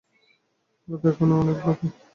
রাত এখনও অনেক বাকি।